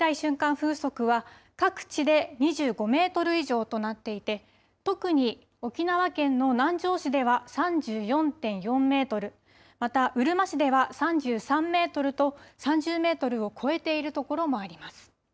風速は各地で２５メートル以上となっていて特に沖縄県の南城市では３４．４メートル、またうるま市では３３メートルと３０メートルを超えている所もあります。